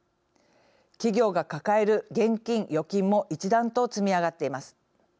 企業が抱える現金・預金も一段と積み上がっています。